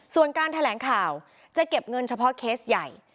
ส่วนการแถลงข่าวจะเก็บเงินเฉพาะเคสใหญ่